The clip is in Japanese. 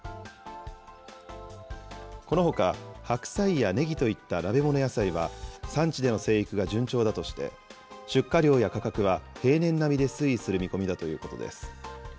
このほか、はくさいやねぎといった鍋物野菜は産地での生育が順調だとして、出荷量や価格は平年並みで推移する見込みだということです。